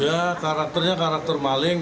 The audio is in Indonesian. ya karakternya karakter maling